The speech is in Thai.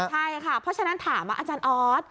ใช่ค่ะเพราะฉะนั้นถามอาจารย์ออส